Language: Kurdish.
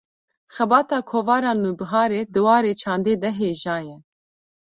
Xebata Kovara Nûbiharê, di warê çandê de hêja ye